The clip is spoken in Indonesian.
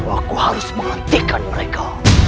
aku harus menghentikan mereka